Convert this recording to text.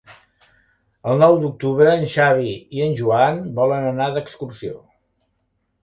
El nou d'octubre en Xavi i en Joan volen anar d'excursió.